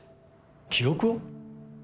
記憶を？